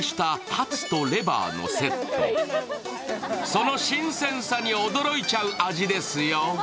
その新鮮さに驚いちゃう味ですよ。